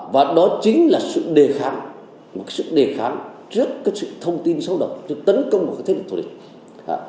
và đó chính là sự đề kháng một sự đề kháng trước các thông tin xấu độc trước tấn công của các thế lực thủ địch